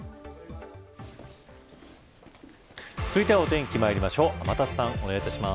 続いてはお天気まいりましょう。